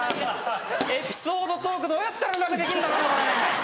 エピソードトークどうやったらうまくできんだろうなこれ！